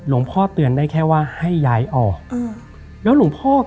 พ่อเตือนได้แค่ว่าให้ย้ายออกอืมแล้วหลวงพ่อ